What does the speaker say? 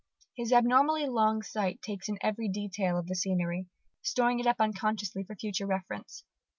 His abnormally long sight takes in every detail of the scenery, storing it up unconsciously for future reference.